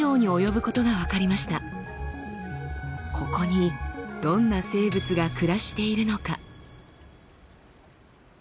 ここにどんな生物が暮らしているのか？